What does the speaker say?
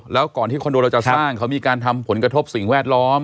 แล้วก่อนที่คอนโดเราจะสร้างเขามีการทำผลกระทบสิ่งแวดล้อม